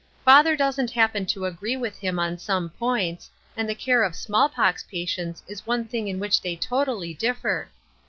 Father doesn't happen to agree with him on some points, and the care of small pox patients is one thing in which they totally differ.